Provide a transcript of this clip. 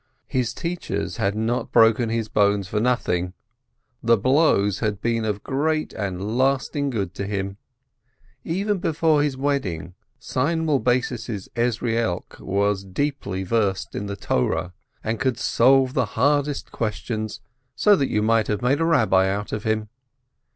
His teachers had not broken his bones for nothing. The blows had been of great and lasting good to him. Even before his wedding, Seinwill Bassis's Ezrielk was deeply versed in the Law, and could solve the hardest "ques tions," so that you might have made a Rabbi of him.